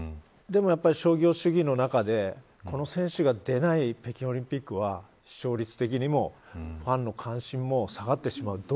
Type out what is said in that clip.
でも、やっぱり商業主義の中でこの選手が出ない北京オリンピックは視聴率的にもファンの関心も下がってしまう。